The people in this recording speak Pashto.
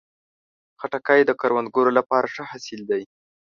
خټکی د کروندګرو لپاره ښه حاصل دی.